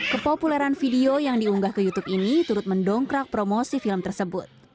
kepopuleran video yang diunggah ke youtube ini turut mendongkrak promosi film tersebut